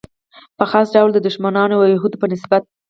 په خاص ډول د دښمنانو او یهودو په نسبت.